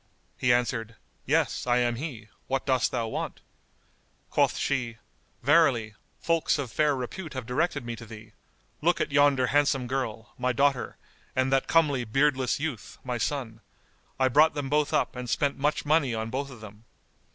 He answered, "Yes, I am he: what dost thou want?" Quoth she, "Verily, folks of fair repute have directed me to thee. Look at yonder handsome girl, my daughter, and that comely beardless youth, my son; I brought them both up and spent much money on both of them.